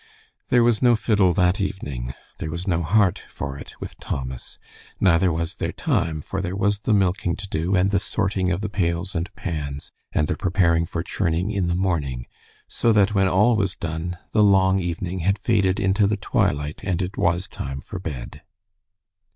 There was no fiddle that evening. There was no heart for it with Thomas, neither was there time, for there was the milking to do, and the "sorting" of the pails and pans, and the preparing for churning in the morning, so that when all was done, the long evening had faded into the twilight and it was time for bed.